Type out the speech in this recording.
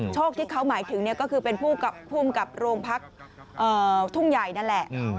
โชคที่เขาหมายถึงก็คือเป็นภูมิกับโรงพักทุ่งใหญ่นั่นแหละ